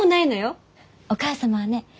お母様はね